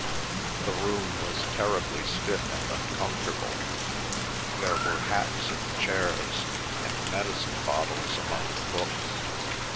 The room was terribly stiff and uncomfortable. There were hats in the chairs, and medicine bottles among the books.